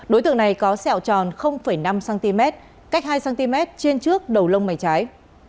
đối tượng này có sẹo tròn năm cm cách hai cm trên trước đầu lông mày trái